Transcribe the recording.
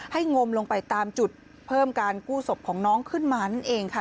งมลงไปตามจุดเพิ่มการกู้ศพของน้องขึ้นมานั่นเองค่ะ